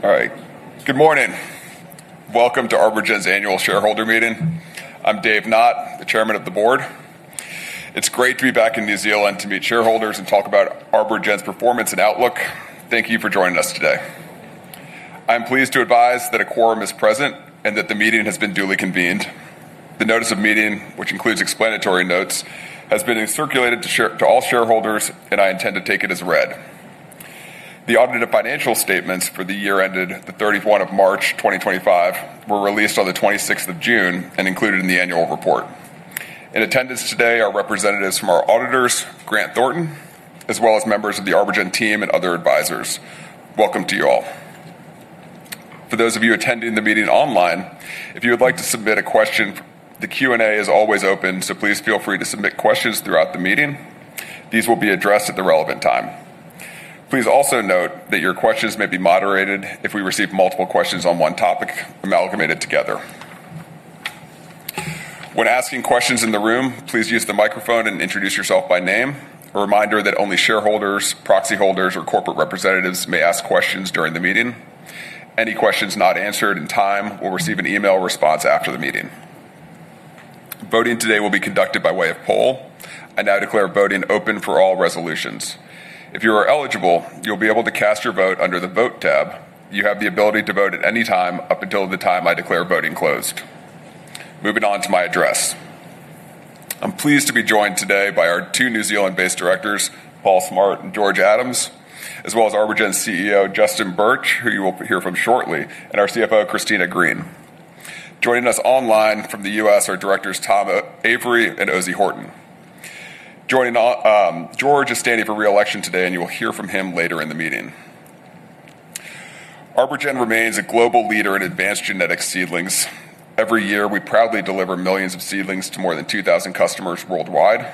All right, good morning. Welcome to ArborGen's annual shareholder meeting. I'm David Knott, the Chairman of the Board. It's great to be back in New Zealand to meet shareholders and talk about ArborGen's performance and outlook. Thank you for joining us today. I am pleased to advise that a quorum is present and that the meeting has been duly convened. The notice of meeting, which includes explanatory notes, has been circulated to all shareholders, and I intend to take it as read. The audited financial statements for the year ended the 31st of March 2025 were released on the 26th of June and included in the annual report. In attendance today are representatives from our auditors, Grant Thornton, as well as members of the ArborGen team and other advisors. Welcome to you all. For those of you attending the meeting online, if you would like to submit a question, the Q&A is always open, so please feel free to submit questions throughout the meeting. These will be addressed at the relevant time. Please also note that your questions may be moderated. If we receive multiple questions on one topic, they're amalgamated together. When asking questions in the room, please use the microphone and introduce yourself by name. A reminder that only shareholders, proxy holders, or corporate representatives may ask questions during the meeting. Any questions not answered in time will receive an email response after the meeting. Voting today will be conducted by way of poll. I now declare voting open for all resolutions. If you are eligible, you'll be able to cast your vote under the vote tab. You have the ability to vote at any time up until the time I declare voting closed. Moving on to my address. I'm pleased to be joined today by our two New Zealand-based directors, Paul Smart and George Adams, as well as ArborGen's CEO, Justin Birch, who you will hear from shortly, and our CFO, Christina Green. Joining us online from the U.S. are directors Tom Avery and Ozey Horton. George is standing for reelection today, and you will hear from him later in the meeting. ArborGen remains a global leader in advanced genetics tree seedlings. Every year, we proudly deliver millions of seedlings to more than 2,000 customers worldwide.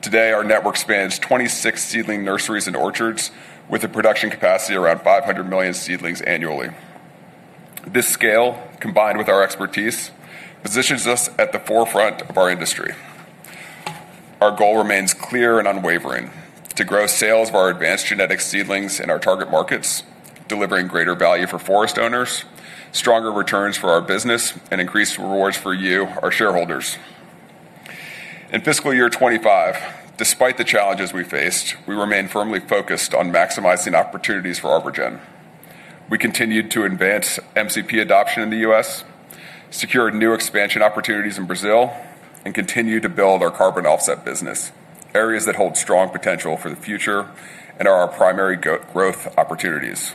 Today, our network spans 26 seedling nurseries and orchards, with a production capacity around 500 million seedlings annually. This scale, combined with our expertise, positions us at the forefront of our industry. Our goal remains clear and unwavering: to grow sales of our advanced genetics tree seedlings in our target markets, delivering greater value for forest owners, stronger returns for our business, and increased rewards for you, our shareholders. In fiscal year 2025, despite the challenges we faced, we remained firmly focused on maximizing opportunities for ArborGen. We continued to advance MCP adoption in the U.S., secured new expansion opportunities in Brazil, and continued to build our carbon offset business, areas that hold strong potential for the future and are our primary growth opportunities.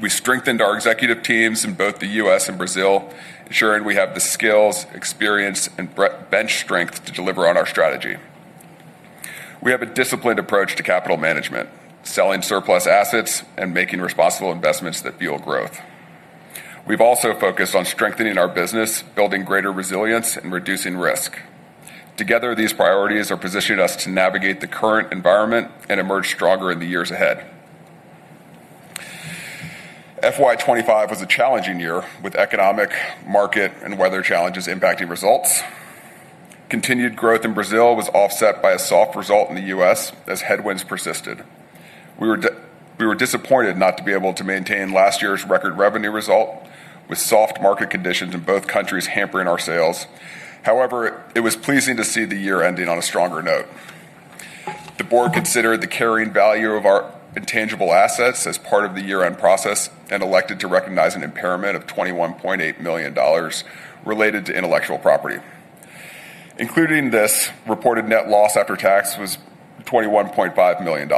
We strengthened our executive teams in both the U.S. and Brazil, ensuring we have the skills, experience, and bench strength to deliver on our strategy. We have a disciplined approach to capital management, selling surplus assets, and making responsible investments that fuel growth. We've also focused on strengthening our business, building greater resilience, and reducing risk. Together, these priorities are positioning us to navigate the current environment and emerge stronger in the years ahead. FY 2025 was a challenging year, with economic, market, and weather challenges impacting results. Continued growth in Brazil was offset by a soft result in the U.S. as headwinds persisted. We were disappointed not to be able to maintain last year's record revenue result, with soft market conditions in both countries hampering our sales. However, it was pleasing to see the year ending on a stronger note. The board considered the carrying value of our intangible assets as part of the year-end process and elected to recognize an impairment of $21.8 million related to intellectual property. Including this, reported net loss after tax was $21.5 million.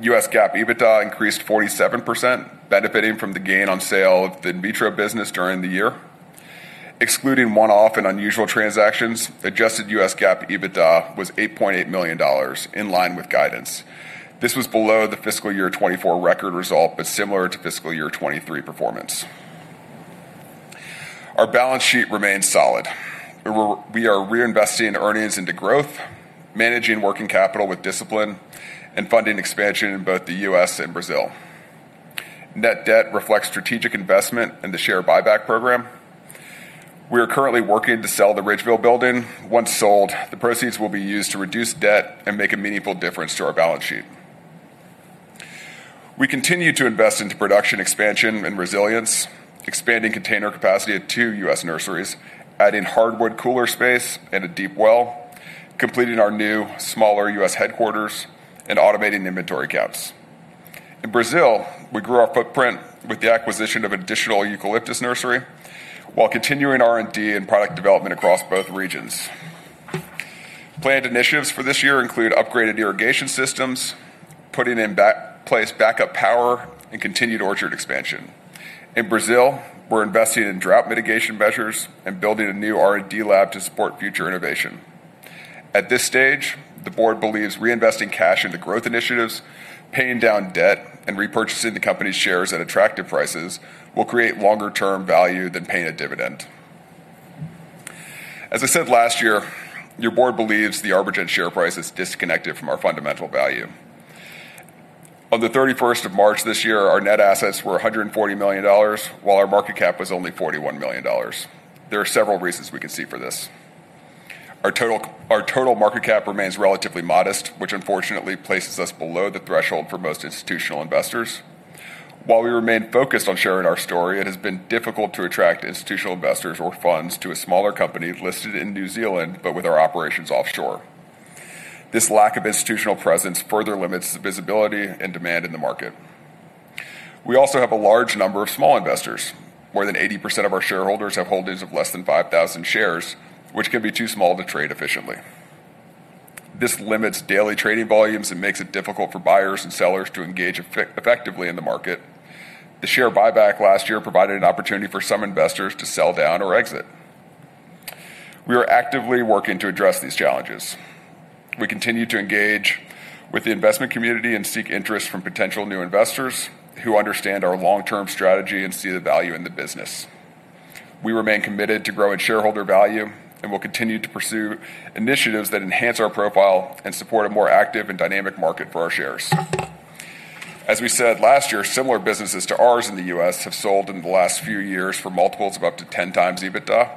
U.S. GAAP EBITDA increased 47%, benefiting from the gain on sale of the in vitro business during the year. Excluding one-off and unusual transactions, adjusted U.S. GAAP EBITDA was $8.8 million, in line with guidance. This was below the fiscal year 2024 record result, but similar to fiscal year 2023 performance. Our balance sheet remains solid. We are reinvesting earnings into growth, managing working capital with discipline, and funding expansion in both the U.S. and Brazil. Net debt reflects strategic investment in the share buyback program. We are currently working to sell the Ridgeville building. Once sold, the proceeds will be used to reduce debt and make a meaningful difference to our balance sheet. We continue to invest in production expansion and resilience, expanding container capacity at two U.S. nurseries, adding hardwood cooler space and a deep well, completing our new smaller U.S. headquarters, and automating inventory caps. In Brazil, we grew our footprint with the acquisition of an additional eucalyptus nursery, while continuing R&D and product development across both regions. Planned initiatives for this year include upgraded irrigation systems, putting in place backup power, and continued orchard expansion. In Brazil, we're investing in drought mitigation measures and building a new R&D lab to support future innovation. At this stage, the Board believes reinvesting cash into growth initiatives, paying down debt, and repurchasing the company's shares at attractive prices will create longer-term value than paying a dividend. As I said last year, your Board believes the ArborGen share price is disconnected from our fundamental value. On March 31st this year, our net assets were $140 million, while our market cap was only $41 million. There are several reasons we can see for this. Our total market cap remains relatively modest, which unfortunately places us below the threshold for most institutional investors. While we remain focused on sharing our story, it has been difficult to attract institutional investors or funds to a smaller company listed in New Zealand, but with our operations offshore. This lack of institutional presence further limits visibility and demand in the market. We also have a large number of small investors. More than 80% of our shareholders have holdings of less than 5,000 shares, which can be too small to trade efficiently. This limits daily trading volumes and makes it difficult for buyers and sellers to engage effectively in the market. The share buyback last year provided an opportunity for some investors to sell down or exit. We are actively working to address these challenges. We continue to engage with the investment community and seek interest from potential new investors who understand our long-term strategy and see the value in the business. We remain committed to growing shareholder value and will continue to pursue initiatives that enhance our profile and support a more active and dynamic market for our shares. As we said last year, similar businesses to ours in the U.S. have sold in the last few years for multiples of up to 10x EBITDA.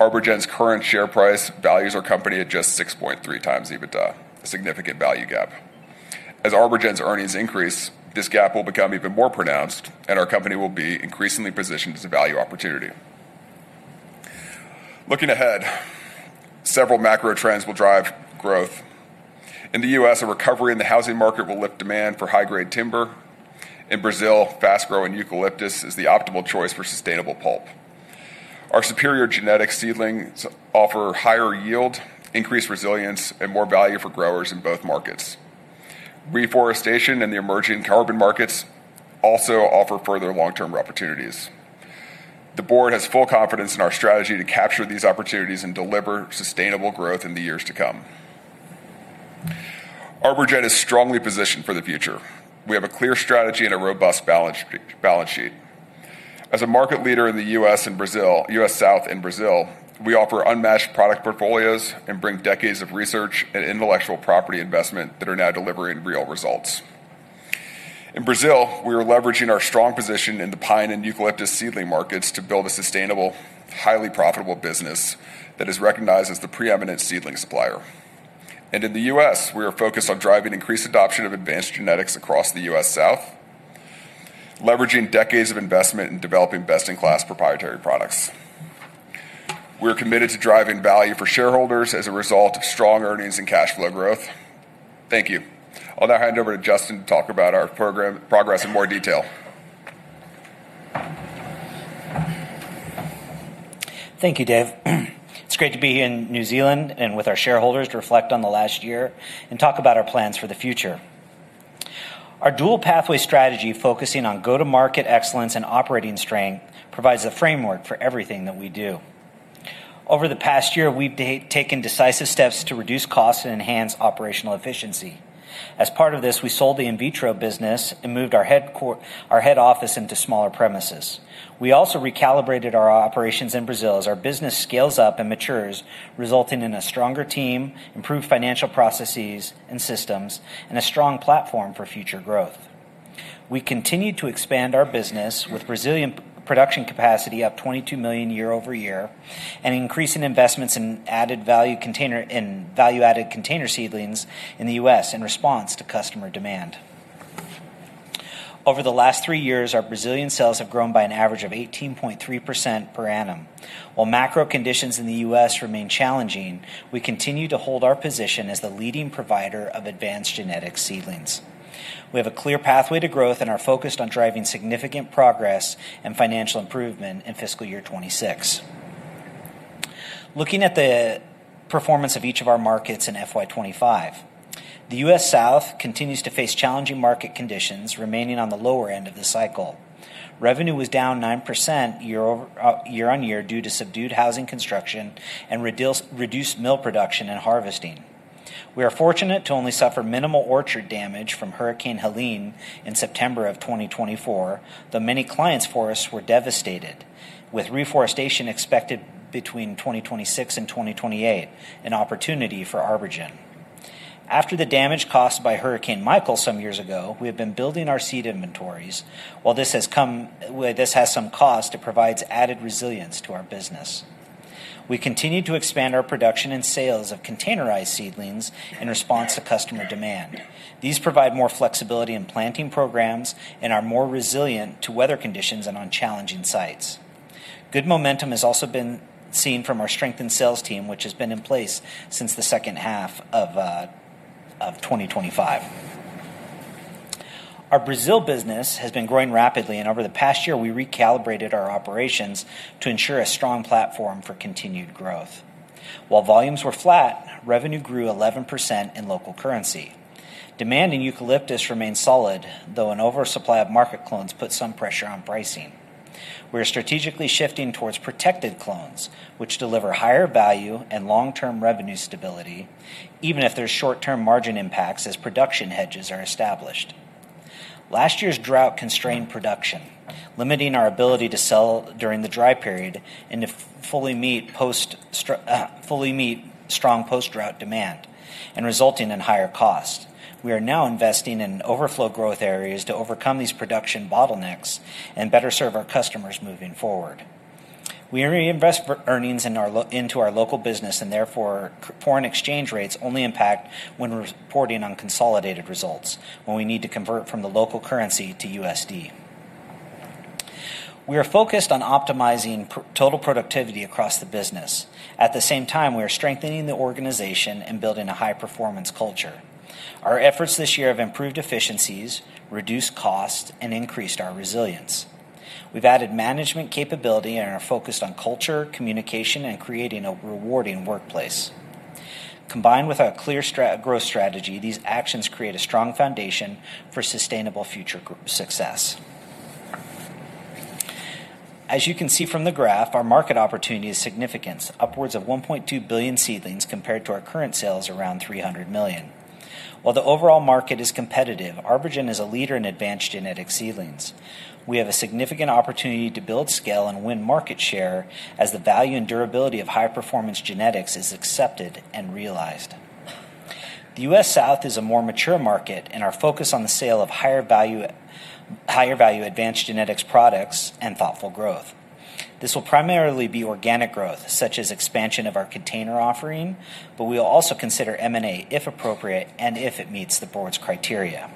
ArborGen's current share price values our company at just 6.3x EBITDA, a significant value gap. As ArborGen's earnings increase, this gap will become even more pronounced, and our company will be increasingly positioned as a value opportunity. Looking ahead, several macro trends will drive growth. In the U.S., a recovery in the housing market will lift demand for high-grade timber. In Brazil, fast-growing eucalyptus is the optimal choice for sustainable pulp. Our superior genetic seedlings offer higher yield, increased resilience, and more value for growers in both markets. Reforestation and the emerging carbon markets also offer further long-term opportunities. The Board has full confidence in our strategy to capture these opportunities and deliver sustainable growth in the years to come. ArborGen is strongly positioned for the future. We have a clear strategy and a robust balance sheet. As a market leader in the U.S. and Brazil, we offer unmatched product portfolios and bring decades of research and intellectual property investment that are now delivering real results. In Brazil, we are leveraging our strong position in the pine and eucalyptus seedling markets to build a sustainable, highly profitable business that is recognized as the preeminent seedling supplier. In the U.S., we are focused on driving increased adoption of advanced genetics across the U.S. South, leveraging decades of investment in developing best-in-class proprietary products. We are committed to driving value for shareholders as a result of strong earnings and cash flow growth. Thank you. I'll now hand over to Justin to talk about our progress in more detail. Thank you, Dave. It's great to be here in New Zealand and with our shareholders to reflect on the last year and talk about our plans for the future. Our dual-pathway strategy, focusing on go-to-market excellence and operating strength, provides a framework for everything that we do. Over the past year, we've taken decisive steps to reduce costs and enhance operational efficiency. As part of this, we sold the in vitro business and moved our head office into smaller premises. We also recalibrated our operations in Brazil as our business scales up and matures, resulting in a stronger team, improved financial processes and systems, and a strong platform for future growth. We continue to expand our business, with Brazilian production capacity up 22 million year-over-year and increasing investments in value-added container seedlings in the U.S. in response to customer demand. Over the last three years, our Brazilian sales have grown by an average of 18.3% per annum. While macro conditions in the U.S. remain challenging, we continue to hold our position as the leading provider of advanced genetics tree seedlings. We have a clear pathway to growth and are focused on driving significant progress and financial improvement in fiscal year 2026. Looking at the performance of each of our markets in FY 2025, the U.S. South continues to face challenging market conditions, remaining on the lower end of the cycle. Revenue was down 9% year-on-year due to subdued housing construction and reduced mill production and harvesting. We are fortunate to only suffer minimal orchard damage from Hurricane Helene in September of 2024, though many clients' forests were devastated, with reforestation expected between 2026 and 2028, an opportunity for ArborGen. After the damage caused by Hurricane Michael some years ago, we have been building our seed inventories. While this has some cost, that provides added resilience to our business. We continue to expand our production and sales of containerized seedlings in response to customer demand. These provide more flexibility in planting programs and are more resilient to weather conditions and on challenging sites. Good momentum has also been seen from our strengthened sales team, which has been in place since the second half of 2025. Our Brazil business has been growing rapidly, and over the past year, we recalibrated our operations to ensure a strong platform for continued growth. While volumes were flat, revenue grew 11% in local currency. Demand in eucalyptus remains solid, though an oversupply of market clones puts some pressure on pricing. We are strategically shifting towards protected clones, which deliver higher value and long-term revenue stability, even if there are short-term margin impacts as production hedges are established. Last year's drought constrained production, limiting our ability to sell during the dry period and to fully meet strong post-drought demand, resulting in higher costs. We are now investing in overflow growth areas to overcome these production bottlenecks and better serve our customers moving forward. We reinvest earnings into our local business, and therefore, foreign exchange rates only impact when reporting on consolidated results, when we need to convert from the local currency to USD. We are focused on optimizing total productivity across the business. At the same time, we are strengthening the organization and building a high-performance culture. Our efforts this year have improved efficiencies, reduced costs, and increased our resilience. We've added management capability and are focused on culture, communication, and creating a rewarding workplace. Combined with our clear growth strategy, these actions create a strong foundation for sustainable future success. As you can see from the graph, our market opportunity is significant, upwards of 1.2 billion seedlings compared to our current sales around 300 million. While the overall market is competitive, ArborGen is a leader in advanced genetic seedlings. We have a significant opportunity to build scale and win market share as the value and durability of high-performance genetics is accepted and realized. The U.S. South is a more mature market, and our focus is on the sale of higher value advanced genetics products and thoughtful growth. This will primarily be organic growth, such as expansion of our container offering, but we will also consider M&A if appropriate and if it meets the board's criteria.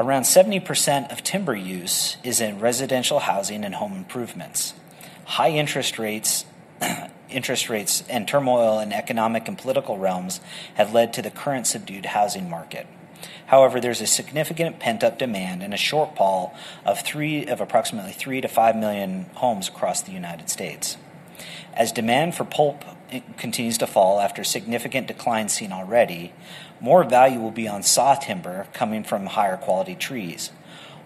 Around 70% of timber use is in residential housing and home improvements. High interest rates and turmoil in economic and political realms have led to the current subdued housing market. However, there's a significant pent-up demand and a shortfall of approximately 3-5 million homes across the United States. As demand for pulp continues to fall after significant declines seen already, more value will be on saw timber coming from higher quality trees.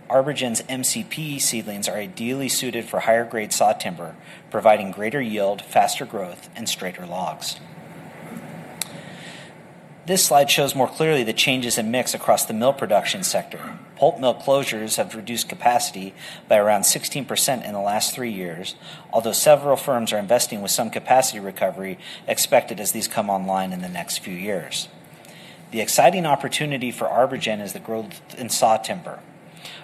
ArborGen's MCP seedlings are ideally suited for higher grade saw timber, providing greater yield, faster growth, and straighter logs. This slide shows more clearly the changes in mix across the mill production sector. Pulp mill closures have reduced capacity by around 16% in the last three years, although several firms are investing with some capacity recovery expected as these come online in the next few years. The exciting opportunity for ArborGen is the growth in saw timber.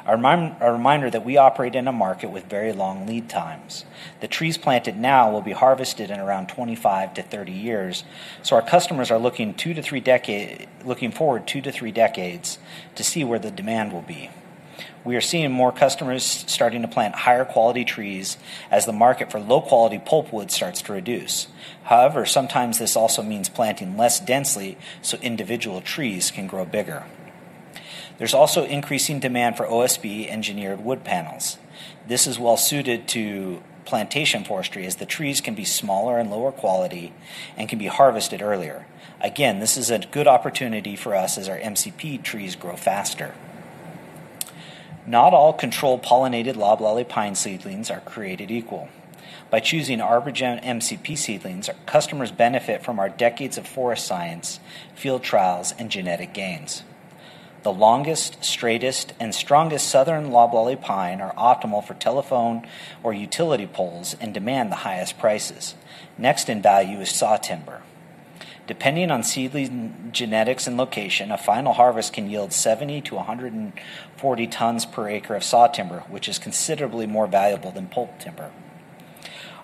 A reminder that we operate in a market with very long lead times. The trees planted now will be harvested in around 25-30 years, so our customers are looking forward 2-3 decades to see where the demand will be. We are seeing more customers starting to plant higher quality trees as the market for low quality pulp wood starts to reduce. However, sometimes this also means planting less densely so individual trees can grow bigger. There's also increasing demand for OSB engineered wood panels. This is well suited to plantation forestry as the trees can be smaller and lower quality and can be harvested earlier. Again, this is a good opportunity for us as our MCP trees grow faster. Not all controlled pollinated loblolly pine seedlings are created equal. By choosing ArborGen MCP seedlings, customers benefit from our decades of forest science, field trials, and genetic gains. The longest, straightest, and strongest southern loblolly pine are optimal for telephone or utility poles and demand the highest prices. Next in value is saw timber. Depending on seedling genetics and location, a final harvest can yield 70-140 tons per acre of saw timber, which is considerably more valuable than pulp timber.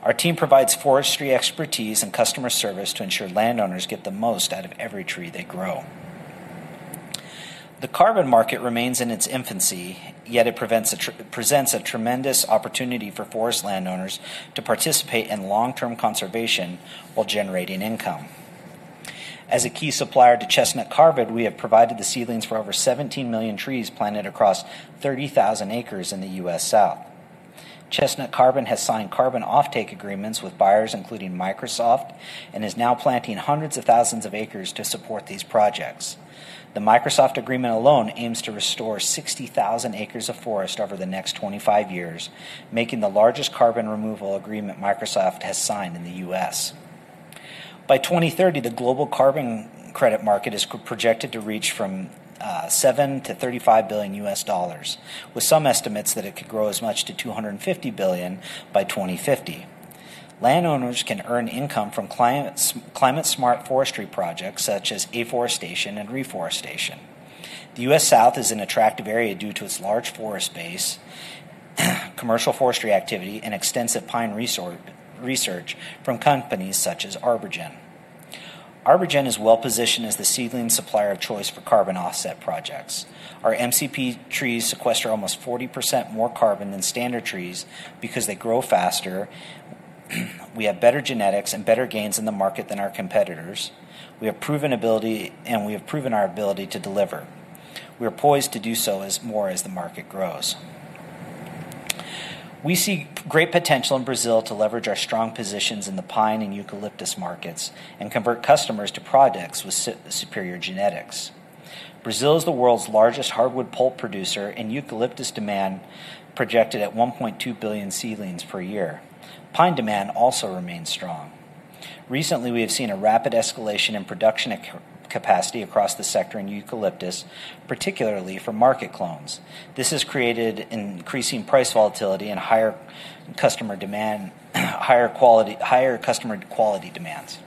Our team provides forestry expertise and customer service to ensure landowners get the most out of every tree they grow. The carbon market remains in its infancy, yet it presents a tremendous opportunity for forest landowners to participate in long-term conservation while generating income. As a key supplier to Chestnut Carbon, we have provided the seedlings for over 17 million trees planted across 30,000 acres in the U.S. South. Chestnut Carbon has signed carbon offtake agreements with buyers, including Microsoft, and is now planting hundreds of thousands of acres to support these projects. The Microsoft agreement alone aims to restore 60,000 acres of forest over the next 25 years, making the largest carbon removal agreement Microsoft has signed in the U.S. By 2030, the global carbon credit market is projected to reach from $7 billion-$35 billion, with some estimates that it could grow as much to $250 billion by 2050. Landowners can earn income from climate-smart forestry projects such as afforestation and reforestation. The U.S. South is an attractive area due to its large forest base, commercial forestry activity, and extensive pine research from companies such as ArborGen. ArborGen is well positioned as the seedling supplier of choice for carbon offset projects. Our MCP trees sequester almost 40% more carbon than standard trees because they grow faster. We have better genetics and better gains in the market than our competitors. We have proven our ability to deliver. We are poised to do so more as the market grows. We see great potential in Brazil to leverage our strong positions in the pine and eucalyptus markets and convert customers to projects with superior genetics. Brazil is the world's largest hardwood pulp producer and eucalyptus demand is projected at 1.2 billion seedlings per year. Pine demand also remains strong. Recently, we have seen a rapid escalation in production capacity across the sector in eucalyptus, particularly for market clones. This has created increasing price volatility and higher customer quality demands.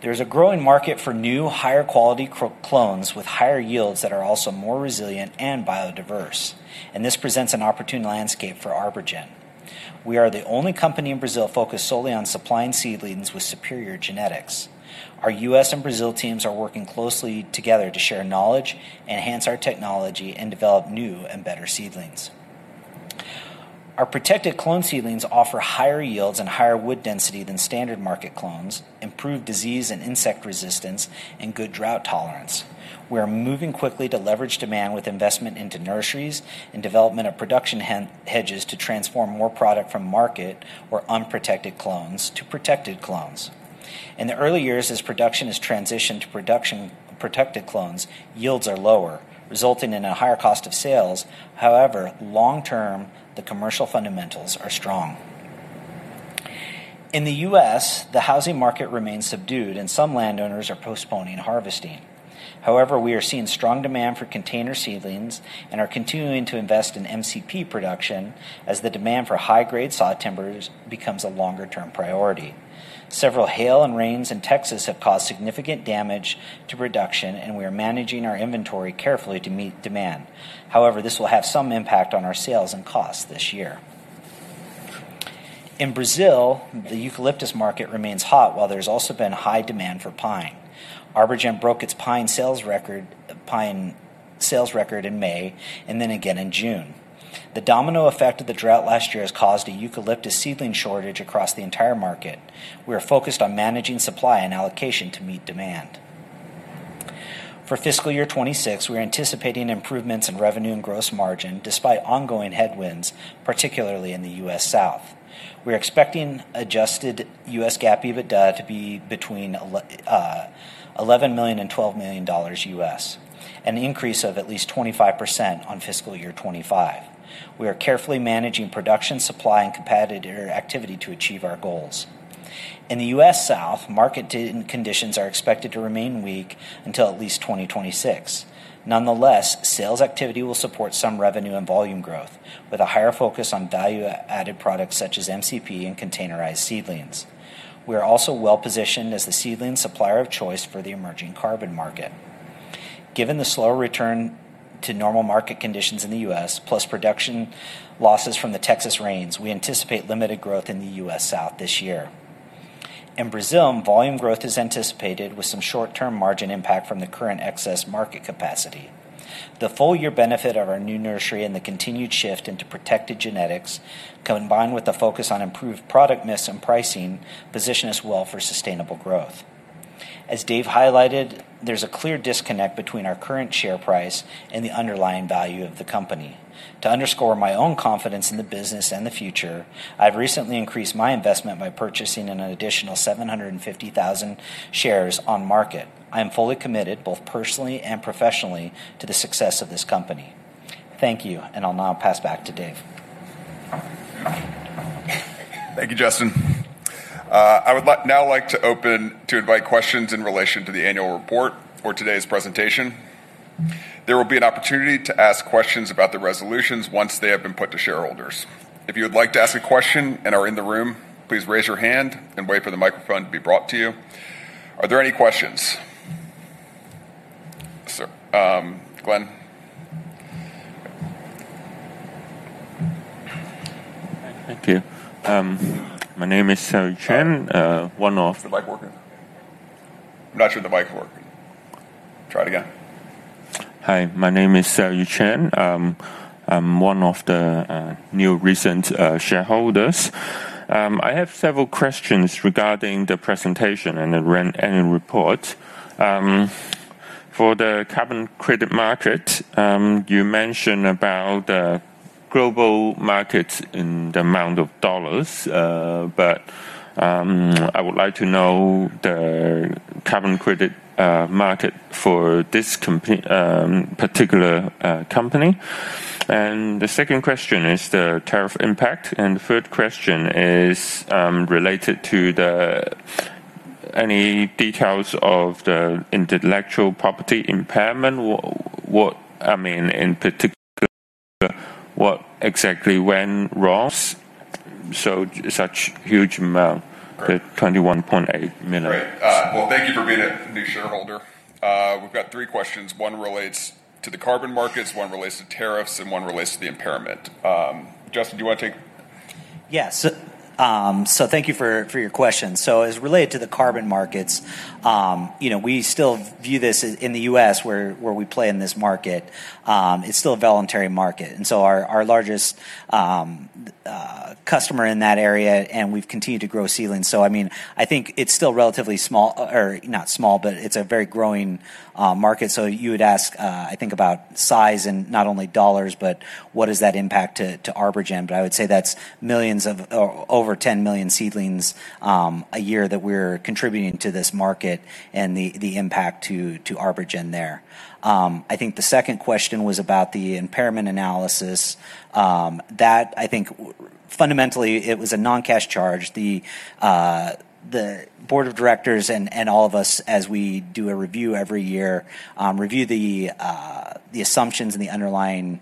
There is a growing market for new, higher quality clones with higher yields that are also more resilient and biodiverse, and this presents an opportune landscape for ArborGen. We are the only company in Brazil focused solely on supplying seedlings with superior genetics. Our U.S. and Brazil teams are working closely together to share knowledge, enhance our technology, and develop new and better seedlings. Our protected clone seedlings offer higher yields and higher wood density than standard market clones, improved disease and insect resistance, and good drought tolerance. We are moving quickly to leverage demand with investment into nurseries and development of production hedges to transform more product from market or unprotected clones to protected clones. In the early years, as production is transitioned to protected clones, yields are lower, resulting in a higher cost of sales. However, long term, the commercial fundamentals are strong. In the U.S., the housing market remains subdued, and some landowners are postponing harvesting. However, we are seeing strong demand for container seedlings and are continuing to invest in MCP production as the demand for high-grade saw timbers becomes a longer-term priority. Several hail and rains in Texas have caused significant damage to production, and we are managing our inventory carefully to meet demand. However, this will have some impact on our sales and costs this year. In Brazil, the eucalyptus market remains hot, while there's also been high demand for pine. ArborGen broke its pine sales record in May and then again in June. The domino effect of the drought last year has caused a eucalyptus seedling shortage across the entire market. We are focused on managing supply and allocation to meet demand. For fiscal year 2026, we're anticipating improvements in revenue and gross margin despite ongoing headwinds, particularly in the U.S. South. We're expecting adjusted U.S. GAAP EBITDA to be between $11 million and $12 million, an increase of at least 25% on fiscal year 2025. We are carefully managing production, supply, and competitor activity to achieve our goals. In the U.S. South, market conditions are expected to remain weak until at least 2026. Nonetheless, sales activity will support some revenue and volume growth, with a higher focus on value-added products such as MCP and containerized seedlings. We are also well positioned as the seedling supplier of choice for the emerging carbon market. Given the slow return to normal market conditions in the U.S., plus production losses from the Texas rains, we anticipate limited growth in the U.S. South this year. In Brazil, volume growth is anticipated with some short-term margin impact from the current excess market capacity. The full-year benefit of our new nursery and the continued shift into protected genetics, combined with the focus on improved product mix and pricing, position us well for sustainable growth. As Dave highlighted, there's a clear disconnect between our current share price and the underlying value of the company. To underscore my own confidence in the business and the future, I've recently increased my investment by purchasing an additional 750,000 shares on market. I am fully committed, both personally and professionally, to the success of this company. Thank you, and I'll now pass back to Dave. Thank you, Justin. I would now like to invite questions in relation to the annual report or today's presentation. There will be an opportunity to ask questions about the resolutions once they have been put to shareholders. If you would like to ask a question and are in the room, please raise your hand and wait for the microphone to be brought to you. Are there any questions? Sir, Glenn? Thank you. My name is Xiaoyu Chen, one of. the mic working? I'm not sure the mic worked. Try it again. Hi, my name is Xiaoyu Chen. I'm one of the new recent shareholders. I have several questions regarding the presentation and the report. For the carbon credit market, you mentioned about the global market in the amount of dollars, but I would like to know the carbon credit market for this particular company. The second question is the tariff impact, and the third question is related to any details of the intellectual property impairment. What I mean in particular, what exactly went wrong? Such a huge amount, $21.8 million. Great. Thank you for being a new shareholder. We've got three questions. One relates to the carbon markets, one relates to tariffs, and one relates to the impairment. Justin, do you want to take? Yes. Thank you for your question. As related to the carbon markets, we still view this in the U.S., where we play in this market, it's still a voluntary market. Our largest customer in that area, and we've continued to grow seedlings. I think it's still relatively small, or not small, but it's a very growing market. You would ask, I think, about size and not only dollars, but what does that impact to ArborGen? I would say that's millions of over 10 million seedlings a year that we're contributing to this market and the impact to ArborGen there. I think the second question was about the impairment analysis. That, I think, fundamentally, it was a non-cash charge. The Board of Directors and all of us, as we do a review every year, review the assumptions and the underlying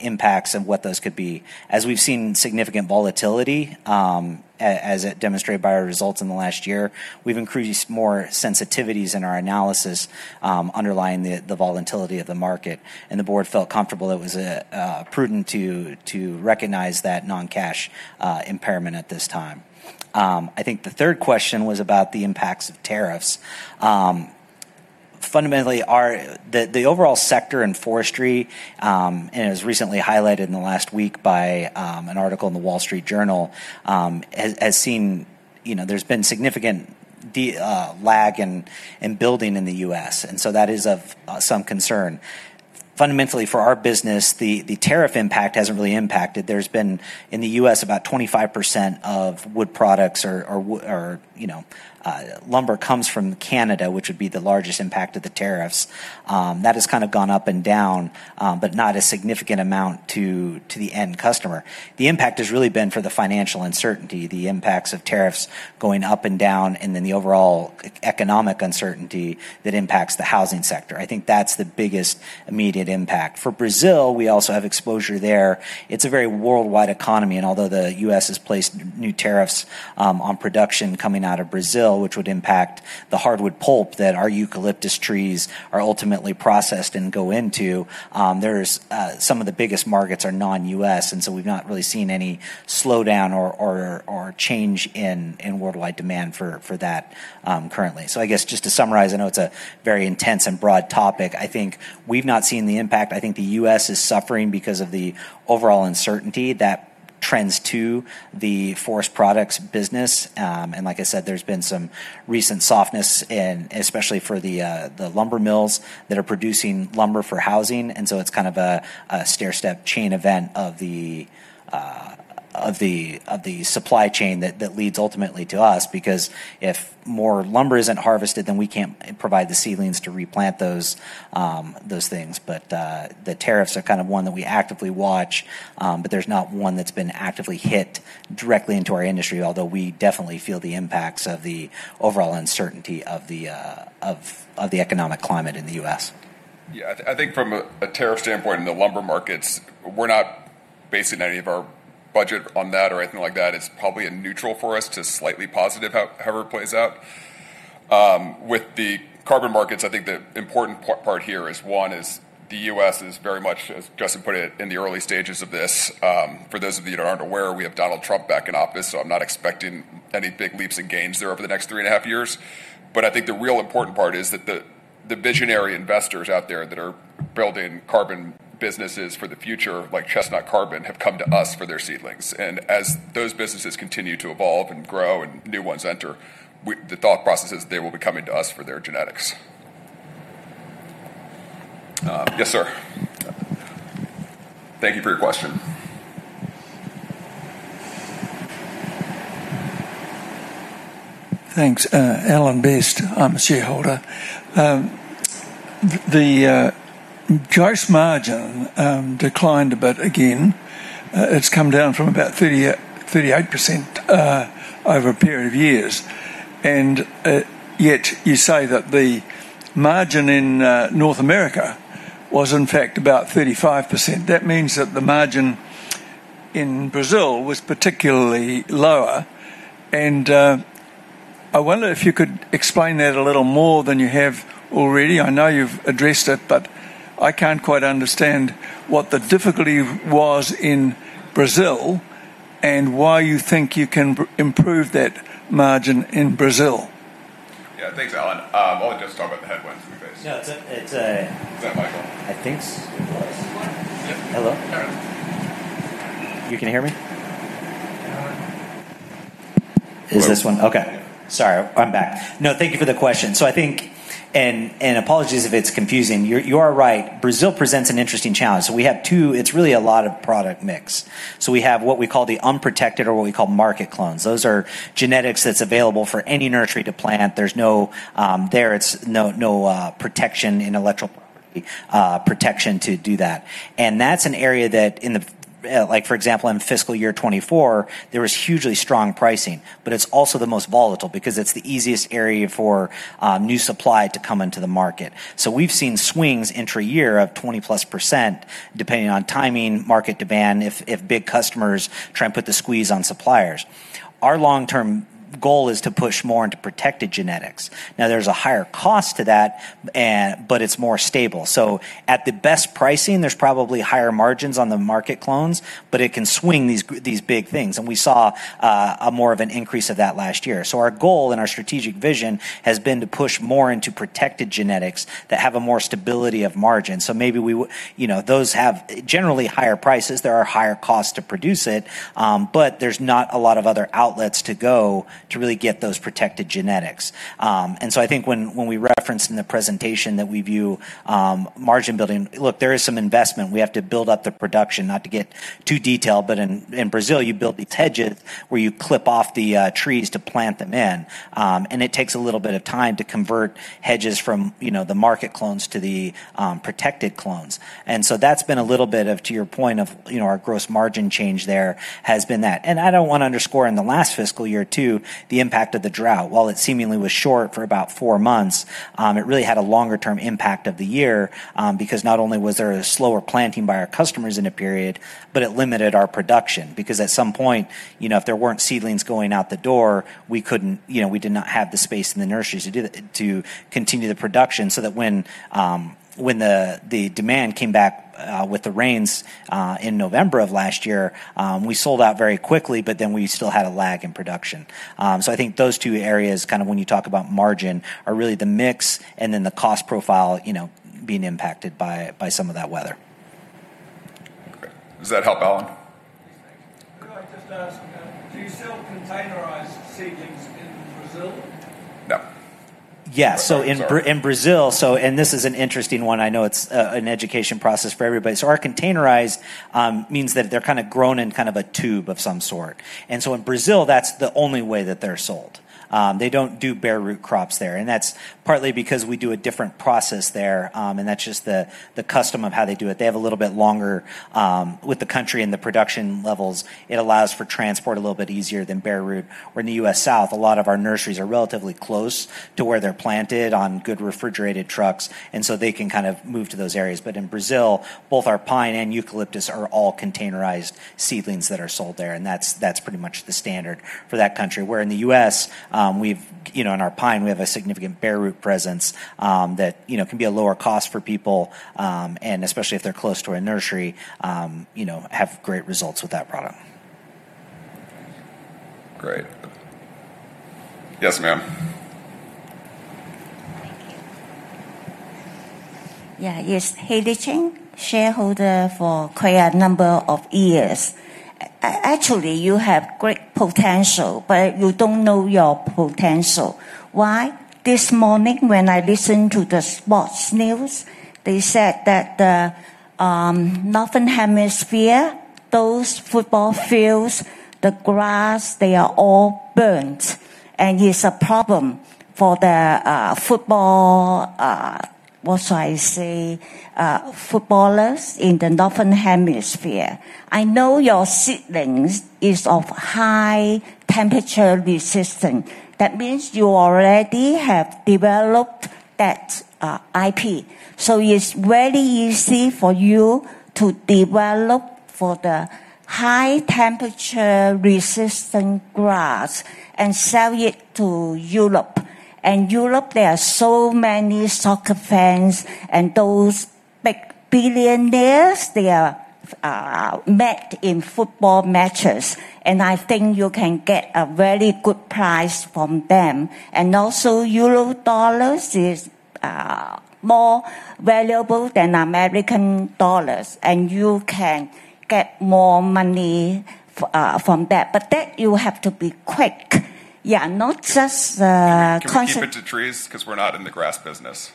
impacts and what those could be. As we've seen significant volatility, as demonstrated by our results in the last year, we've increased more sensitivities in our analysis underlying the volatility of the market. The Board felt comfortable it was prudent to recognize that non-cash impairment at this time. I think the third question was about the impacts of tariffs. Fundamentally, the overall sector in forestry, as recently highlighted in the last week by an article in The Wall Street Journal, has seen there's been significant lag in building in the U.S. That is of some concern. Fundamentally, for our business, the tariff impact hasn't really impacted. There's been, in the U.S., about 25% of wood products or lumber comes from Canada, which would be the largest impact of the tariffs. That has kind of gone up and down, but not a significant amount to the end customer. The impact has really been for the financial uncertainty, the impacts of tariffs going up and down, and then the overall economic uncertainty that impacts the housing sector. I think that's the biggest immediate impact. For Brazil, we also have exposure there. It's a very worldwide economy. Although the U.S. has placed new tariffs on production coming out of Brazil, which would impact the hardwood pulp that our eucalyptus trees are ultimately processed and go into, some of the biggest markets are non-U.S. We've not really seen any slowdown or change in worldwide demand for that currently. Just to summarize, I know it's a very intense and broad topic. I think we've not seen the impact. I think the US is suffering because of the overall uncertainty that trends to the forest products business. Like I said, there's been some recent softness, especially for the lumber mills that are producing lumber for housing. It's kind of a stairstep chain event of the supply chain that leads ultimately to us because if more lumber isn't harvested, then we can't provide the seedlings to replant those things. The tariffs are kind of one that we actively watch, but there's not one that's been actively hit directly into our industry, although we definitely feel the impacts of the overall uncertainty of the economic climate in the US. Yeah, I think from a tariff standpoint in the lumber markets, we're not basing any of our budget on that or anything like that. It's probably a neutral for us to slightly positive, however it plays out. With the carbon markets, I think the important part here is, one, the U.S. is very much, as Justin put it, in the early stages of this. For those of you that aren't aware, we have Donald Trump back in office, so I'm not expecting any big leaps and gains there over the next 3.5 years. I think the real important part is that the visionary investors out there that are building carbon businesses for the future, like Chestnut Carbon, have come to us for their seedlings. As those businesses continue to evolve and grow and new ones enter, the thought process is that they will be coming to us for their genetics. Yes, sir. Thank you for your question. Thanks. Alan Best, I'm a shareholder. The gross margin declined a bit again. It's come down from about 38% over a period of years. Yet you say that the margin in North America was, in fact, about 35%. That means that the margin in Brazil was particularly lower. I wonder if you could explain that a little more than you have already. I know you've addressed it, but I can't quite understand what the difficulty was in Brazil and why you think you can improve that margin in Brazil. Yeah, I think so. I want to just talk about the headwinds we face. No, it's a... Is that my thought? I think so. Hello? You can hear me? Is this one... Okay. Sorry, I'm back. No, thank you for the question. I think, and apologies if it's confusing, you are right. Brazil presents an interesting challenge. We have two, it's really a lot of product mix. We have what we call the unprotected or what we call market clones. Those are genetics that's available for any nursery to plant. There's no protection, intellectual property protection to do that. That's an area that, for example, in fiscal year 2024, there was hugely strong pricing, but it's also the most volatile because it's the easiest area for new supply to come into the market. We've seen swings intra-year of 20%+, depending on timing, market demand, if big customers try and put the squeeze on suppliers. Our long-term goal is to push more into protected genetics. There's a higher cost to that, but it's more stable. At the best pricing, there's probably higher margins on the market clones, but it can swing these big things. We saw more of an increase of that last year. Our goal and our strategic vision has been to push more into protected genetics that have more stability of margins. Maybe those have generally higher prices, there are higher costs to produce it, but there's not a lot of other outlets to go to really get those protected genetics. I think when we referenced in the presentation that we view margin building, look, there is some investment. We have to build up the production, not to get too detailed, but in Brazil you build these hedges where you clip off the trees to plant them in. It takes a little bit of time to convert hedges from the market clones to the protected clones. That's been a little bit of, to your point, our gross margin change there has been that. I don't want to underscore in the last fiscal year too, the impact of the drought. While it seemingly was short for about four months, it really had a longer-term impact of the year because not only was there a slower planting by our customers in a period, but it limited our production. At some point, if there weren't seedlings going out the door, we did not have the space in the nurseries to continue the production. When the demand came back with the rains in November of last year, we sold out very quickly, but then we still had a lag in production. I think those two areas, kind of when you talk about margin, are really the mix and then the cost profile being impacted by some of that weather. Does that help, Alan? I'd like to ask, do you sell containerized seedlings in Brazil? No. Yeah, so in Brazil, and this is an interesting one, I know it's an education process for everybody. Our containerized means that they're kind of grown in kind of a tube of some sort. In Brazil, that's the only way that they're sold. They don't do bare root crops there. That's partly because we do a different process there, and that's just the custom of how they do it. They have a little bit longer with the country and the production levels. It allows for transport a little bit easier than bare root. Where in the U.S. South, a lot of our nurseries are relatively close to where they're planted on good refrigerated trucks, and they can kind of move to those areas. In Brazil, both our pine and eucalyptus are all containerized seedlings that are sold there, and that's pretty much the standard for that country. Where in the U.S., in our pine, we have a significant bare root presence that can be a lower cost for people, and especially if they're close to a nursery, have great results with that product. Great. Yes, ma'am? Yeah, yes. Hei Li Ching, shareholder for quite a number of years. Actually, you have great potential, but you don't know your potential. Why? This morning, when I listened to the sports news, they said that the Northern Hemisphere, those football fields, the grass, they are all burned, and it's a problem for the football, what should I say, footballers in the Northern Hemisphere. I know your seedlings are of high temperature resistance. That means you already have developed that IP. It's very easy for you to develop for the high temperature resistant grass and sell it to Europe. In Europe, there are so many soccer fans and those big billionaires, they are met in football matches. I think you can get a very good price from them. Also, Euro dollars is more valuable than American dollars, and you can get more money from that. You have to be quick. Yeah, not just the... Can you speak to trees? We're not in the grass business.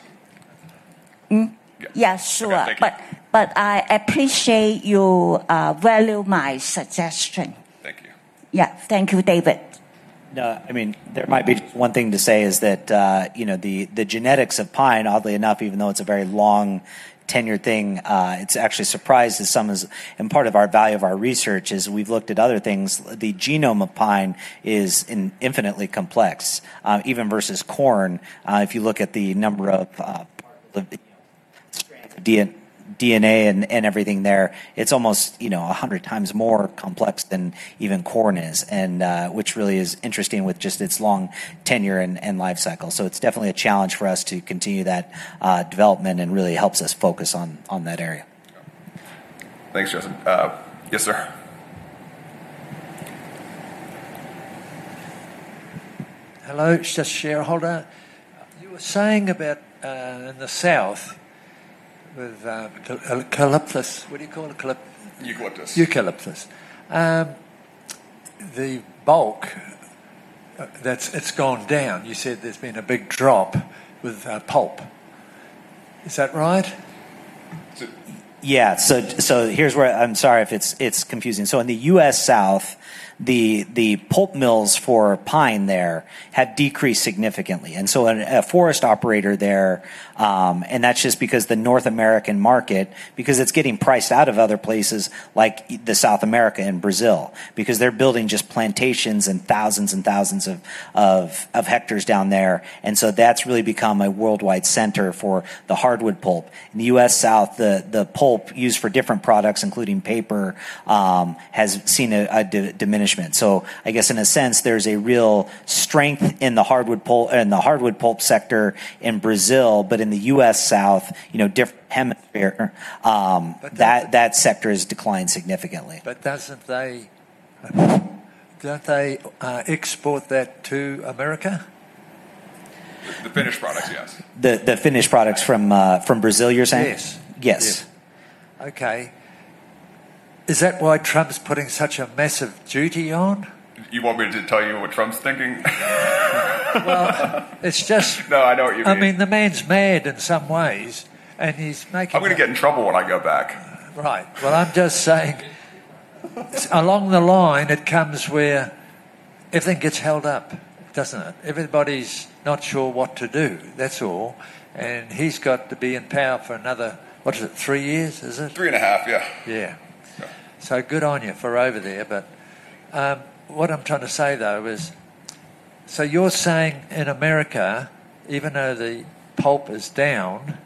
Yeah, sure. I appreciate you valuing my suggestion. Thank you. Thank you, David. There might be just one thing to say is that the genetics of pine, oddly enough, even though it's a very long tenured thing, it's actually surprised as some of the part of our value of our research is we've looked at other things. The genome of pine is infinitely complex, even versus corn. If you look at the number of DNA and everything there, it's almost 100x more complex than even corn is, which really is interesting with just its long tenure and life cycle. It's definitely a challenge for us to continue that development and really helps us focus on that area. Thanks, Justin. Yes, sir? Hello, just a shareholder. You were saying about in the South with eucalyptus, what do you call it? Eucalyptus. Eucalyptus, the bulk, it's gone down. You said there's been a big drop with pulp. Is that right? Here's where I'm sorry if it's confusing. In the U.S. South, the pulp mills for pine there have decreased significantly. A forest operator there, that's just because the North American market is getting priced out of other places like South America and Brazil, because they're building just plantations and thousands and thousands of hectares down there. That's really become a worldwide center for the hardwood pulp. In the U.S. South, the pulp used for different products, including paper, has seen a diminishment. I guess in a sense, there's a real strength in the hardwood pulp sector in Brazil, but in the U.S. South, different hemisphere, that sector has declined significantly. Don't they export that to America? The finished products, yes. The finished products from Brazil, you're saying? Yes. Yes. Okay. Is that why Trump's putting such a massive duty on? You want me to tell you what Trump's thinking? It's just... No, I know what you mean. I mean, the man's mad in some ways, and he's making... I'm going to get in trouble when I go back. Right. I'm just saying, along the line, it comes where everything gets held up, doesn't it? Everybody's not sure what to do, that's all. He's got to be in power for another, what is it, three years, is it? 3.5, yeah. Good on you for over there. What I'm trying to say, though, is, you're saying in America, even though the pulp is down,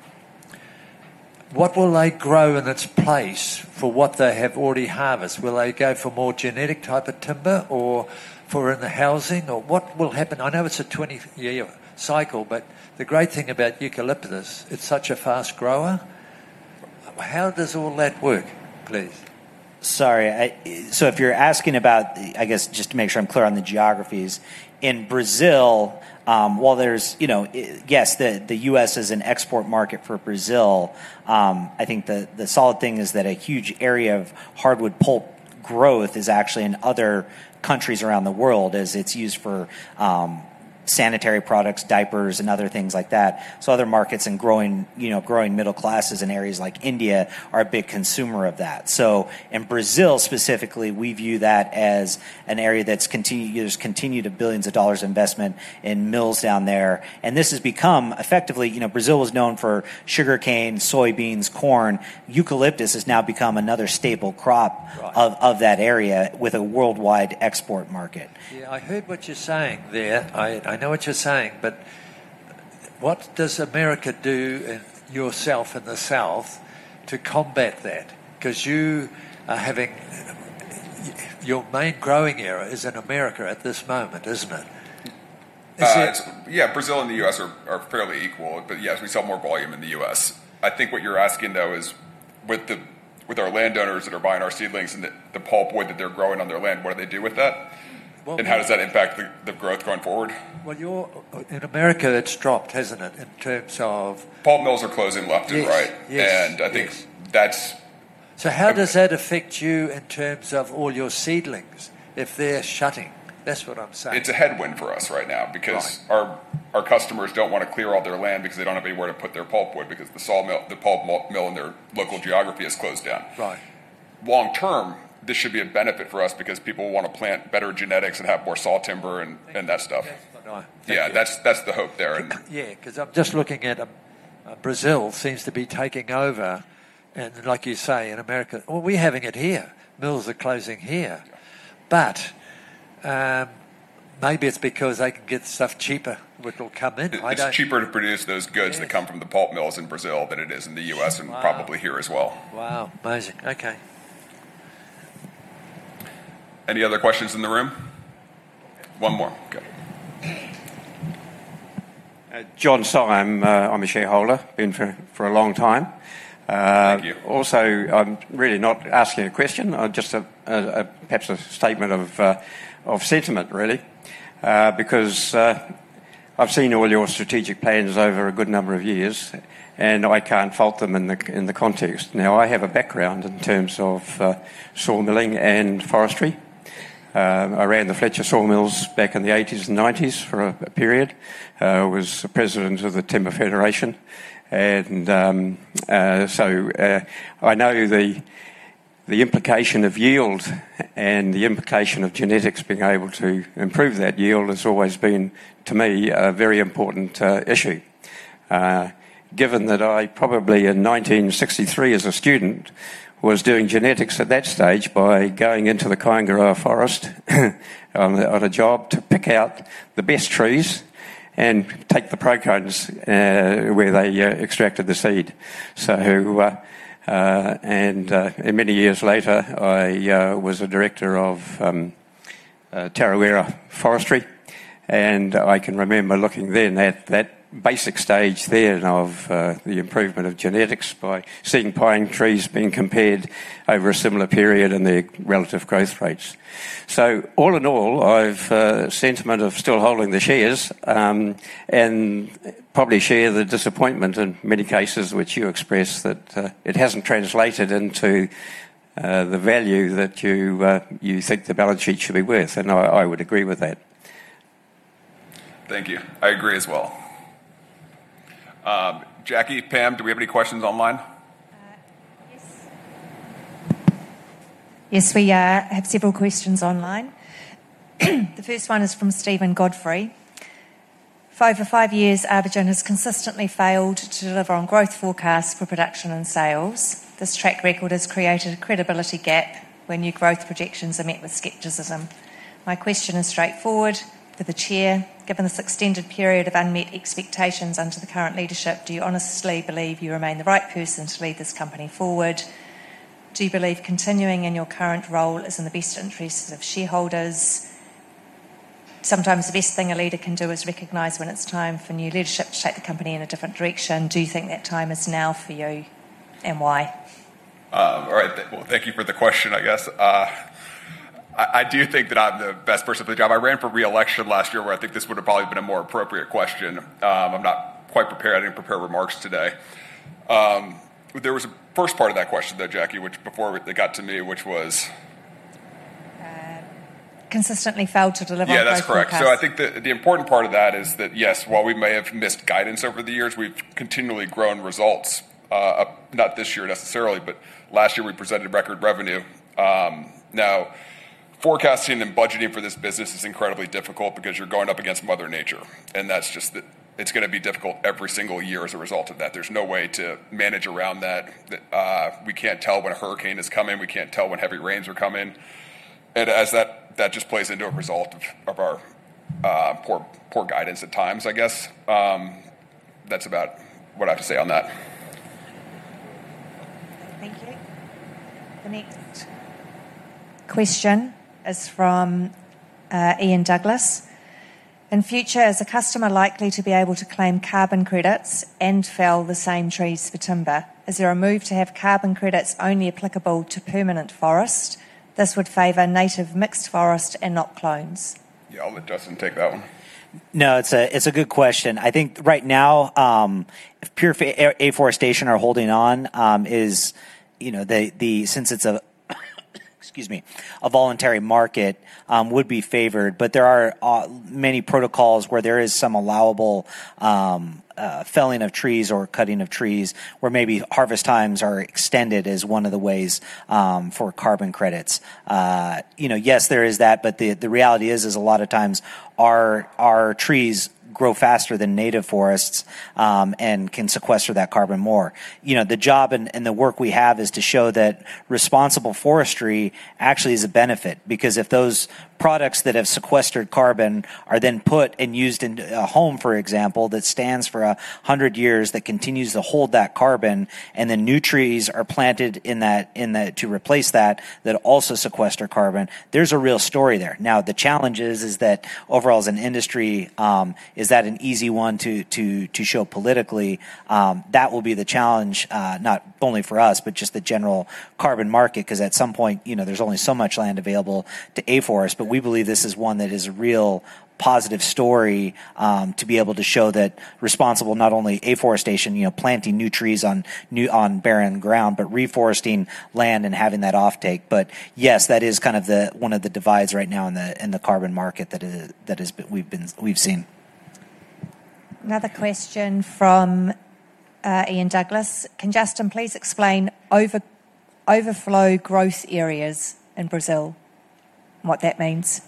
what will they grow in its place for what they have already harvested? Will they go for more genetic type of timber or for in the housing or what will happen? I know it's a 20-year cycle, but the great thing about eucalyptus, it's such a fast grower. How does all that work, please? Sorry. If you're asking about, I guess, just to make sure I'm clear on the geographies, in Brazil, while there's, yes, the U.S. is an export market for Brazil, I think the solid thing is that a huge area of hardwood pulp growth is actually in other countries around the world, as it's used for sanitary products, diapers, and other things like that. Other markets and growing middle classes in areas like India are a big consumer of that. In Brazil specifically, we view that as an area that's continued a billions of dollars investment in mills down there. This has become effectively, you know, Brazil was known for sugar cane, soybeans, corn. Eucalyptus has now become another staple crop of that area with a worldwide export market. Yeah, I heard what you're saying there. I know what you're saying, but what does America do and yourself in the South to combat that? Because you are having your main growing area is in America at this moment, isn't it? Yeah, Brazil and the U.S. are fairly equal, but yes, we sell more volume in the U.S. I think what you're asking, though, is with our landowners that are buying our seedlings and the pulpwood that they're growing on their land, what do they do with that? How does that impact the growth going forward? In America, it's dropped, hasn't it, in terms of... Pulp mills are closing left and right. Yes, yes. I think that's... How does that affect you in terms of all your seedlings if they're shutting? That's what I'm saying. It's a headwind for us right now because our customers don't want to clear all their land because they don't have anywhere to put their pulpwood, because the pulp mill in their local geography has closed down. Right. Long term, this should be a benefit for us because people want to plant better genetics and have more saw timber and that stuff. That's fine. Yeah, that's the hope there. Yeah, because I'm just looking at Brazil seems to be taking over. Like you say, in America, we're having it here. Mills are closing here. Maybe it's because they can get stuff cheaper which will come in. It's cheaper to produce those goods that come from the pulp mills in Brazil than it is in the U.S. and probably here as well. Wow, amazing. Okay. Any other questions in the room? One more. Sorry, I'm a shareholder for a long time. Also, I'm really not asking a question. I'm just perhaps a statement of sentiment, really, because I've seen all your strategic plans over a good number of years, and I can't fault them in the context. Now, I have a background in terms of sawmilling and forestry. I ran the Fletcher Sawmills back in the 1980s and 1990s for a period. I was President of the Timber Federation. I know the implication of yield and the implication of genetics being able to improve that yield has always been, to me, a very important issue. Given that I probably in 1963, as a student, was doing genetics at that stage by going into the Kaingaroa Forest on a job to pick out the best trees and take the protons where they extracted the seed. Many years later, I was a Director of Tarawera Forestry. I can remember looking then at that basic stage then of the improvement of genetics by seeing pine trees being compared over a similar period in their relative growth rates. All in all, I have a sentiment of still holding the shares and probably share the disappointment in many cases, which you expressed, that it hasn't translated into the value that you think the balance sheet should be worth. I would agree with that. Thank you. I agree as well. Jackie, Pam, do we have any questions online? Yes, we have several questions online. The first one is from Stephen Godfrey. For over five years, ArborGen has consistently failed to deliver on growth forecasts for production and sales. This track record has created a credibility gap where new growth projections are met with skepticism. My question is straightforward for the Chair. Given this extended period of unmet expectations under the current leadership, do you honestly believe you remain the right person to lead this company forward? Do you believe continuing in your current role is in the best interest of shareholders? Sometimes the best thing a leader can do is recognize when it's time for new leadership to take the company in a different direction. Do you think that time is now for you and why? All right. Thank you for the question, I guess. I do think that I'm the best person for the job. I ran for reelection last year, where I think this would have probably been a more appropriate question. I'm not quite prepared. I didn't prepare remarks today. There was a first part of that question, though, Jackie, which before it got to me, which was... Consistently failed to deliver on growth forecasts. That's correct. I think the important part of that is that, yes, while we may have missed guidance over the years, we've continually grown results. Not this year necessarily, but last year we presented record revenue. Forecasting and budgeting for this business is incredibly difficult because you're going up against mother nature. It's just that it's going to be difficult every single year as a result of that. There's no way to manage around that. We can't tell when a hurricane is coming. We can't tell when heavy rains are coming. That just plays into a result of our poor guidance at times, I guess. That's about what I have to say on that. Thank you. The next question is from Ian Douglas. In the future, is the customer likely to be able to claim carbon credits and fell the same trees for timber? Is there a move to have carbon credits only applicable to permanent forest? This would favor native mixed forest and not clones. Yeah, I'll let Justin take that one. No, it's a good question. I think right now, if pure afforestation are holding on, since it's a voluntary market, it would be favored. There are many protocols where there is some allowable felling of trees or cutting of trees, where maybe harvest times are extended as one of the ways for carbon credits. Yes, there is that, but the reality is, a lot of times our trees grow faster than native forests and can sequester that carbon more. The job and the work we have is to show that responsible forestry actually is a benefit. Because if those products that have sequestered carbon are then put and used in a home, for example, that stands for 100 years, that continues to hold that carbon, and then new trees are planted to replace that, that also sequester carbon, there's a real story there. The challenge is that overall, as an industry, is that an easy one to show politically? That will be the challenge, not only for us, but just the general carbon market. At some point, there's only so much land available to afforest. We believe this is one that is a real positive story to be able to show that responsible, not only afforestation, planting new trees on barren ground, but reforesting land and having that offtake. Yes, that is kind of one of the divides right now in the carbon market that we've seen. Another question from Ian Douglas. Can Justin please explain overflow growth areas in Brazil and what that means?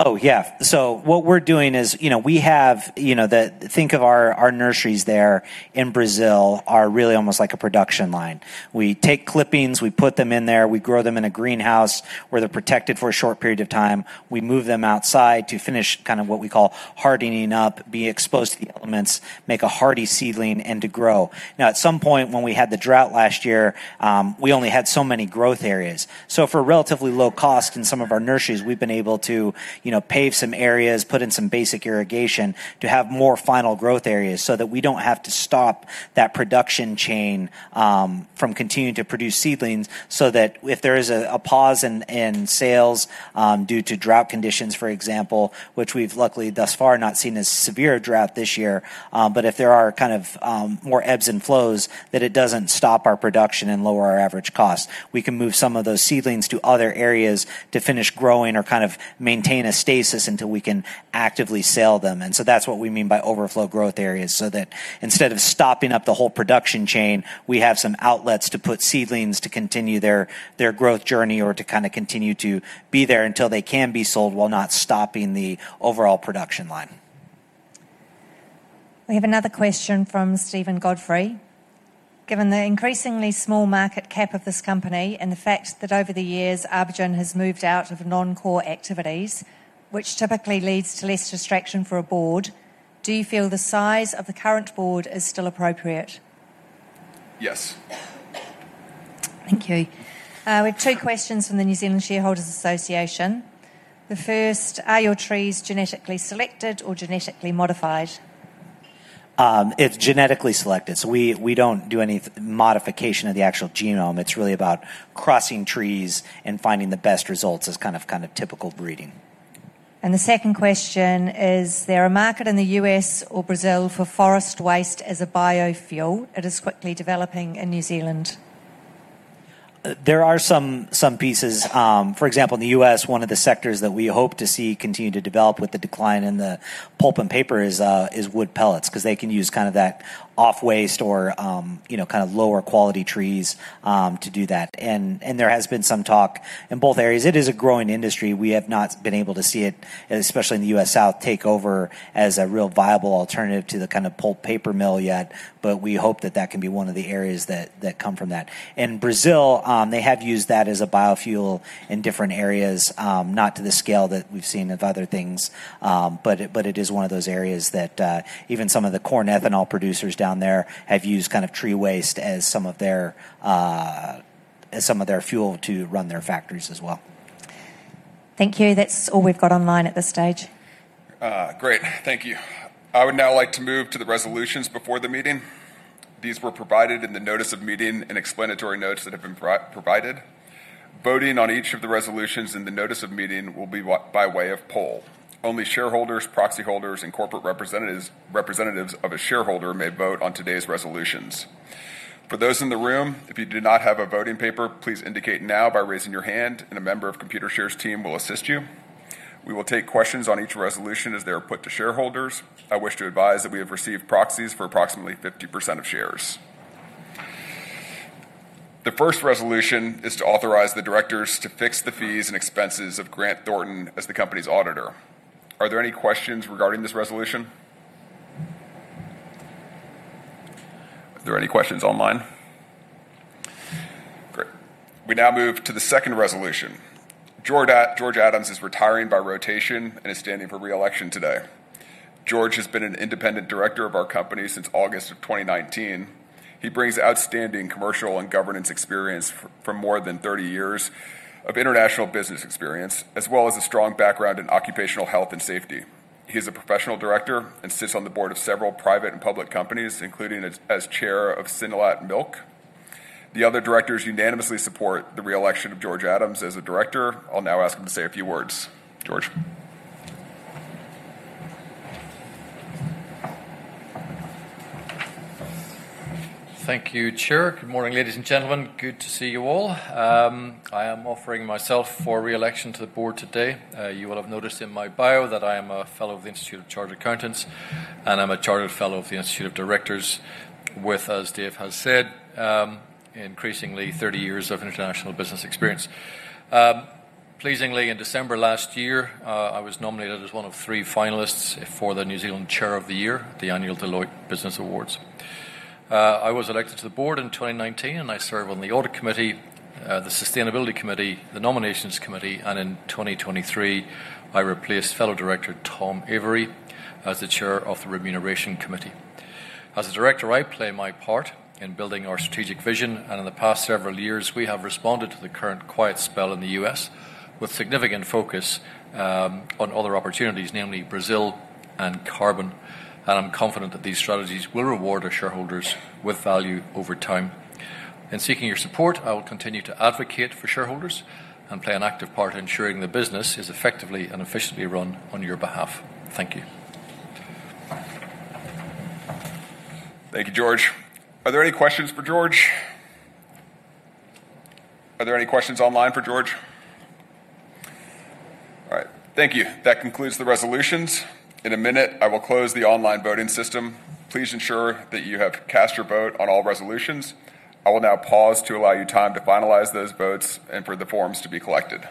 Oh, yeah. What we're doing is, you know, we have, you know, think of our nurseries there in Brazil as really almost like a production line. We take clippings, we put them in there, we grow them in a greenhouse where they're protected for a short period of time. We move them outside to finish kind of what we call hardening up, being exposed to the elements, make a hardy seedling, and to grow. At some point when we had the drought last year, we only had so many growth areas. For relatively low cost in some of our nurseries, we've been able to pave some areas, put in some basic irrigation to have more final growth areas so that we don't have to stop that production chain from continuing to produce seedlings. If there is a pause in sales due to drought conditions, for example, which we've luckily thus far not seen a severe drought this year, but if there are kind of more ebbs and flows, it doesn't stop our production and lower our average cost. We can move some of those seedlings to other areas to finish growing or kind of maintain a stasis until we can actively sell them. That's what we mean by overflow growth areas. Instead of stopping up the whole production chain, we have some outlets to put seedlings to continue their growth journey or to kind of continue to be there until they can be sold while not stopping the overall production line. We have another question from Stephen Godfrey. Given the increasingly small market cap of this company and the fact that over the years ArborGen has moved out of non-core activities, which typically leads to less distraction for a board, do you feel the size of the current board is still appropriate? Yes. Thank you. We have two questions from the New Zealand Shareholders Association. The first, are your trees genetically selected or genetically modified? It's genetically selected. We don't do any modification of the actual genome. It's really about crossing trees and finding the best results as typical breeding. The second question is, is there a market in the U.S. or Brazil for forest waste as a biofuel? It is quickly developing in New Zealand. There are some pieces. For example, in the U.S., one of the sectors that we hope to see continue to develop with the decline in the pulp and paper is wood pellets because they can use kind of that off-waste or, you know, kind of lower quality trees to do that. There has been some talk in both areas. It is a growing industry. We have not been able to see it, especially in the U.S. South, take over as a real viable alternative to the kind of pulp paper mill yet. We hope that that can be one of the areas that come from that. In Brazil, they have used that as a biofuel in different areas, not to the scale that we've seen of other things. It is one of those areas that even some of the corn ethanol producers down there have used kind of tree waste as some of their fuel to run their factories as well. Thank you. That's all we've got online at this stage. Great. Thank you. I would now like to move to the resolutions before the meeting. These were provided in the notice of meeting and explanatory notes that have been provided. Voting on each of the resolutions in the notice of meeting will be by way of poll. Only shareholders, proxy holders, and corporate representatives of a shareholder may vote on today's resolutions. For those in the room, if you do not have a voting paper, please indicate now by raising your hand, and a member of the Computershare team will assist you. We will take questions on each resolution as they are put to shareholders. I wish to advise that we have received proxies for approximately 50% of shares. The first resolution is to authorize the directors to fix the fees and expenses of Grant Thornton as the company's auditor. Are there any questions regarding this resolution? Are there any questions online? Great. We now move to the second resolution. George Adams is retiring by rotation and is standing for reelection today. George has been an independent director of our company since August of 2019. He brings outstanding commercial and governance experience from more than 30 years of international business experience, as well as a strong background in occupational health and safety. He is a professional director and sits on the board of several private and public companies, including as Chair of Synlait Milk. The other directors unanimously support the reelection of George Adams as a director. I'll now ask him to say a few words. George. Thank you, Chair. Good morning, ladies and gentlemen. Good to see you all. I am offering myself for reelection to the board today. You will have noticed in my bio that I am a Fellow of the Institute of Chartered Accountants and I'm a Chartered Fellow of the Institute of Directors, with, as Dave has said, increasingly 30 years of international business experience. Pleasingly, in December last year, I was nominated as one of three finalists for the New Zealand Chair of the Year, the annual Deloitte Business Awards. I was elected to the board in 2019 and I served on the Audit Committee, the Sustainability Committee, the Nominations Committee, and in 2023, I replaced Fellow Director Tom Avery as the Chair of the Remuneration Committee. As a Director, I play my part in building our strategic vision, and in the past several years, we have responded to the current quiet spell in the U.S. with significant focus on other opportunities, namely Brazil and carbon. I'm confident that these strategies will reward our shareholders with value over time. In seeking your support, I will continue to advocate for shareholders and play an active part in ensuring the business is effectively and efficiently run on your behalf. Thank you. Thank you, George. Are there any questions for George? Are there any questions online for George? All right. Thank you. That concludes the resolutions. In a minute, I will close the online voting system. Please ensure that you have cast your vote on all resolutions. I will now pause to allow you time to finalize those votes and for the forms to be collected.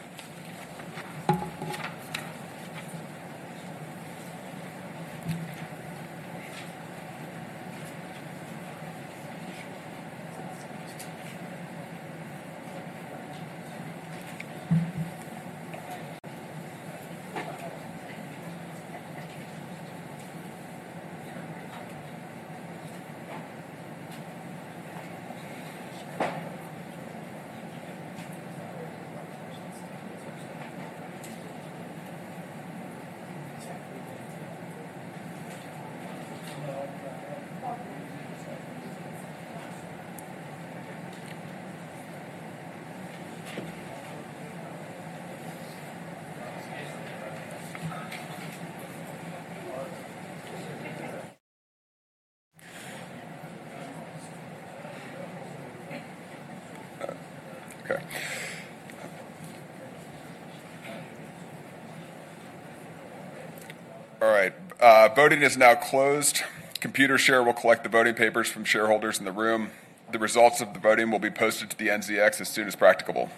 All right. Voting is now closed. Computershare will collect the voting papers from shareholders in the room. The results of the voting will be posted to the NZX as soon as practicable.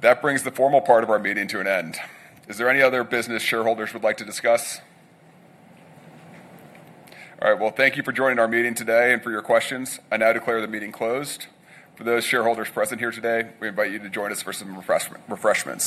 That brings the formal part of our meeting to an end. Is there any other business shareholders would like to discuss? All right. Thank you for joining our meeting today and for your questions. I now declare the meeting closed. For those shareholders present here today, we invite you to join us for some refreshments.